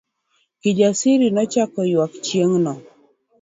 Kijasir nochako ywak chieng'no.